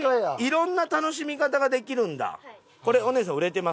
いろんな楽しみ方ができるんだ。